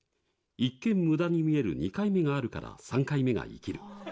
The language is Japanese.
一見無駄に見える２回目があるから３回目が生きる。